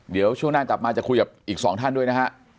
เดี๋ยวช่วงหน้ากลับมาจะคุยกับอีกสองท่านด้วยนะฮะ